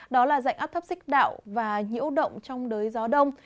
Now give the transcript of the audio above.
đó là dạnh áp thấp xích đạo và nhiễu động trong đới gió đông